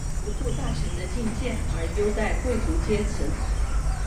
不顾大臣的进谏而优待贵族阶层。